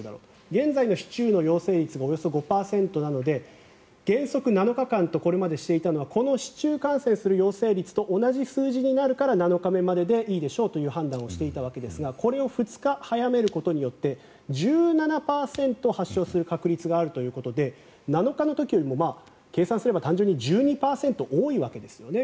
現在の市中の陽性率がおよそ５％なので原則７日間とこれまでしていたのはこの市中感染する陽性率と同じ数字になるから７日目まででいいでしょうという判断をしていたわけですがこれを２日早めることによって１７％発症する確率があるということで７日の時よりも計算すれば単純に１２％多いわけですね。